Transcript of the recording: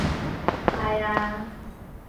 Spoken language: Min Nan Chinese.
害矣